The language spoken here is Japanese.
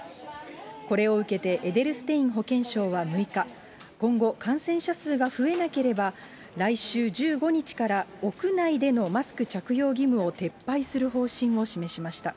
これを受けて、エデルステイン保健相は６日、今後、感染者数が増えなければ、来週１５日から屋内でのマスク着用義務を撤廃する方針を示しました。